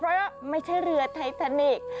เพราะไม่ใช่เรือไททานิก